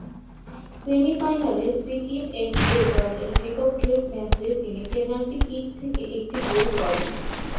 সেমিফাইনালে সিকিম এফএ দলের বিপক্ষে ম্যাচে তিনি পেনাল্টি কিক থেকে একটি গোল করেন।